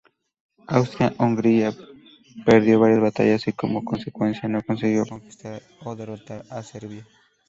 Austria-Hungría perdió varias batallas y, como consecuencia, no consiguió conquistar o derrotar a Serbia.